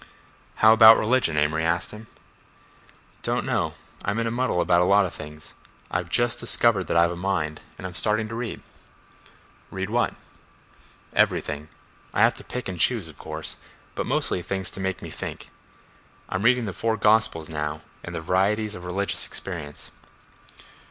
"How about religion?" Amory asked him. "Don't know. I'm in a muddle about a lot of things—I've just discovered that I've a mind, and I'm starting to read." "Read what?" "Everything. I have to pick and choose, of course, but mostly things to make me think. I'm reading the four gospels now, and the 'Varieties of Religious Experience.